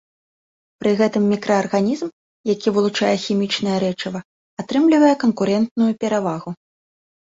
Пры гэтым мікраарганізм, які вылучае хімічнае рэчыва, атрымлівае канкурэнтную перавагу.